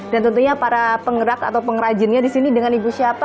dan tentunya para penggerak atau pengrajinnya di sini dengan ibu siapa